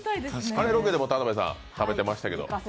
あれロケでも田辺さん食べてましたけれども。